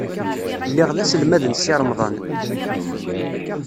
Lliɣ d aselmad n Si Remḍan.